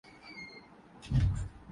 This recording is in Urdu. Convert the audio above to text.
اور ونڈوز ایٹ کی جانب راغب ہوں ۔